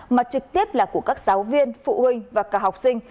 mà trực tiếp là của các giáo viên phụ huynh và cả học sinh